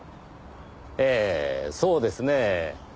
ええそうですねぇ。